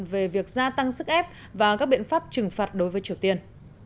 về việc gia tăng sức ép và các biện pháp trừng phạt đối với triều tiên